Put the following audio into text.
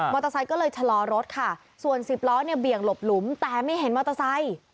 เตอร์ไซค์ก็เลยชะลอรถค่ะส่วนสิบล้อเนี่ยเบี่ยงหลบหลุมแต่ไม่เห็นมอเตอร์ไซค์